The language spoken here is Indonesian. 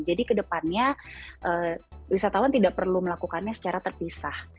jadi ke depannya wisatawan tidak perlu melakukannya secara terpisah